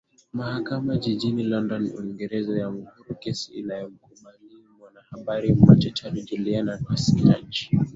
mahakama jijini london uingereza yaamuru kesi inayomkabili mwanahabari machachari julian nasanj